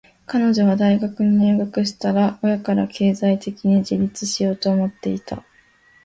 彼女は大学に入学したら、親から経済的に独立しようと思っていた。